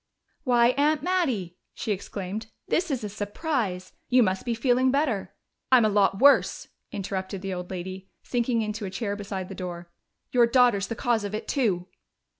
"Why, Aunt Mattie!" she exclaimed. "This is a surprise. You must be feeling better " "I'm a lot worse!" interrupted the old lady, sinking into a chair beside the door. "Your daughter's the cause of it, too!"